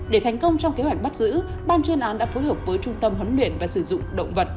để thành công trong kế hoạch bắt giữ ban chuyên án đã phối hợp với trung tâm huấn luyện và sử dụng động vật